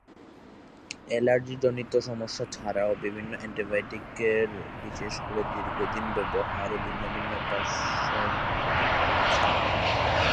অ্যলার্জিজনিত সমস্যা ছাড়াও বিভিন্ন অ্যান্টিবায়োটিকের বিশেষ করে দীর্ঘদিন ব্যবহারে ভিন্ন ভিন্ন পাশর্ব প্রতিক্রিয়া রয়েছে।